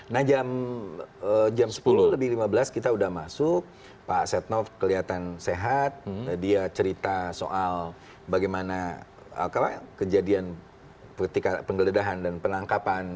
nah jam sepuluh lebih lima belas kita sudah masuk pak setnov kelihatan sehat dia cerita soal bagaimana kejadian ketika penggeledahan dan penangkapan